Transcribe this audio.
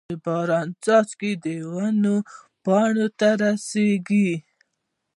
د باران څاڅکي د ونو پاڼو ته رسيږي.